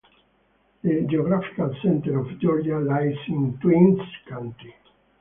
The geographical center of Georgia lies in Twiggs County.